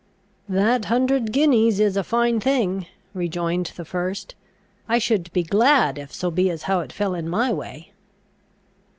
"That hundred guineas is a fine thing," rejoined the first. "I should be glad if so be as how it fell in my way."